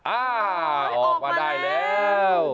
อ่าออกมาได้แล้ว